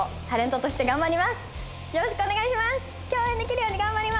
よろしくお願いします！